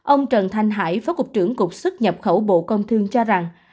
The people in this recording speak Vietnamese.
ông trần thanh hải phó cục trưởng cục xuất nhập khẩu bộ công thương cho rằng